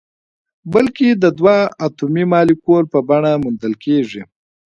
بلکې د دوه اتومي مالیکول په بڼه موندل کیږي.